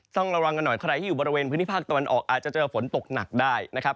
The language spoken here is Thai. ต้องระวังกันหน่อยใครที่อยู่บริเวณพื้นที่ภาคตะวันออกอาจจะเจอฝนตกหนักได้นะครับ